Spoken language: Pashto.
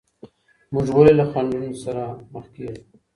موږ ولي له خنډونو سره مخ کیږو؟